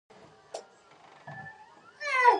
بې له دې روحه ټولنه مړه ګڼل کېږي.